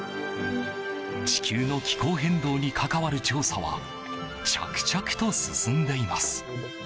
地球の気候変動に関わる調査は着々と進んでいます。